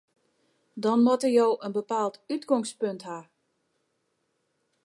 Dan moatte jo in bepaald útgongspunt ha.